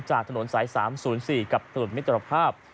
จากถนนสาย๓๐๔กับถนนมิตรภาพ